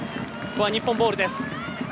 ここは日本ボールです。